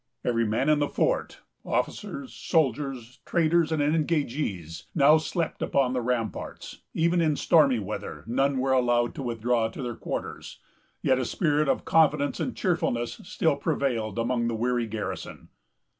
Every man in the fort, officers, soldiers, traders, and engagés, now slept upon the ramparts; even in stormy weather none were allowed to withdraw to their quarters; yet a spirit of confidence and cheerfulness still prevailed among the weary garrison.